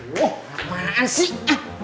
loh kemanaan sih